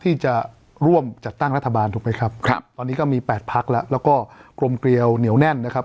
ที่จะร่วมจัดตั้งรัฐบาลถูกไหมครับครับตอนนี้ก็มี๘พักแล้วแล้วก็กลมเกลียวเหนียวแน่นนะครับ